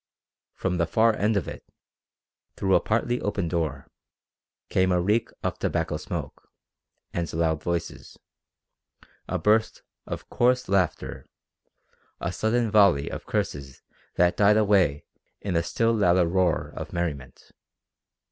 From the far end of it, through a partly open door, came a reek of tobacco smoke, and loud voices a burst of coarse laughter, a sudden volley of curses that died away in a still louder roar of merriment.